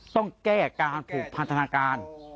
ต้องแก้การผูกพันธนาการ